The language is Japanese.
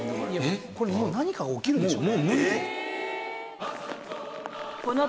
これもう何か起きるでしょうね。